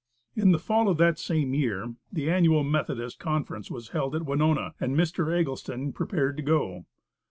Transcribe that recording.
In the fall of that same year, the annual Methodist conference was held at Winona, and Mr. Eggleston prepared to go.